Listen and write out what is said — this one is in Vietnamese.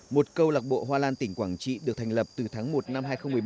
một câu lạc bộ hoa lan tỉnh quảng trị được thành lập từ tháng một năm hai nghìn một mươi bảy